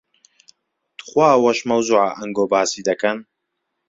توخوا ئەوەش مەوزوعە ئەنگۆ باسی دەکەن.